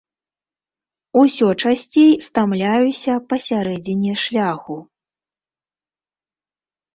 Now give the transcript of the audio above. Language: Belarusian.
Усё часцей стамляюся пасярэдзіне шляху.